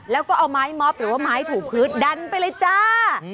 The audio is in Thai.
แล้วก็เอาไม้ม็อบหรือว่าไม้ถูกพื้นดันไปเลยจ้า